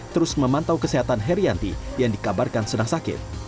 terus memantau kesehatan herianti yang dikabarkan sedang sakit